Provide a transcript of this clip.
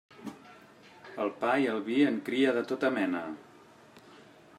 El pa i el vi en cria de tota mena.